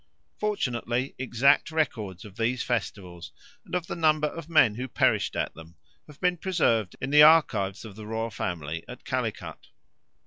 Fortunately, exact records of these festivals and of the number of men who perished at them have been preserved in the archives of the royal family at Calicut.